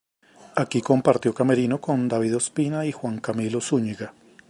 Aquí compartió camerino con David Ospina y Juan Camilo Zuñiga.